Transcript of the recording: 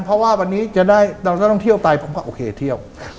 เพราะว่าวันนี้จะได้นำนักท่องเที่ยวไปผมก็โอเคเที่ยว